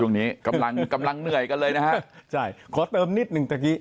ช่วงนี้กำลังกำลังเหนื่อยกันเลยนะฮะใช่ขอเติมนิดหนึ่งตะกี้